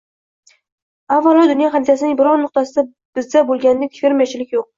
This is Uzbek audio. Avvalo, dunyo xaritasining biror nuqtasida bizda bo‘lganidek fermerchilik yo‘q